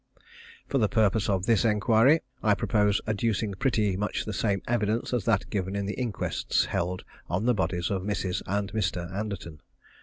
For the purpose of this inquiry, I propose adducing pretty much the same evidence as that given at the inquests held on the bodies of Mrs. and Mr. Anderton.